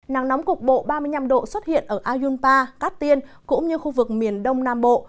nắng nóng cục bộ ba mươi năm độ xuất hiện ở ayunpa cát tiên cũng như khu vực miền đông nam bộ